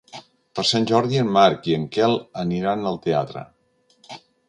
Per Sant Jordi en Marc i en Quel aniran al teatre.